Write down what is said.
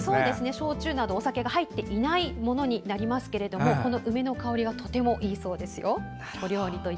焼酎などお酒が入っていないものになりますが梅の香りがとてもいいそうです。